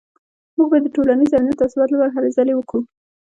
موږ باید د ټولنیز امنیت او ثبات لپاره هلې ځلې وکړو